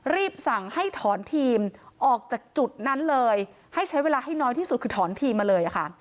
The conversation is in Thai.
รีบสั่งให้ถอนทีมออกจากจุดนั้นเลยให้ใช้เวลาให้น้อยที่สุดคือถอนทีมมาเลยค่ะ